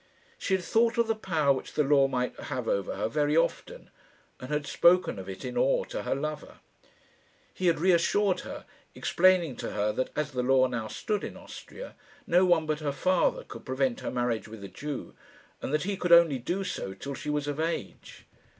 She had thought of the power which the law might have over her very often, and had spoken of it in awe to her lover. He had reassured her, explaining to her that, as the law now stood in Austria, no one but her father could prevent her marriage with a Jew, and that he could only do so till she was of age.